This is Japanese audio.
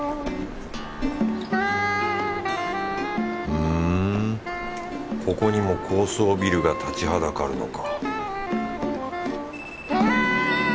ふんここにも高層ビルが立ちはだかるのか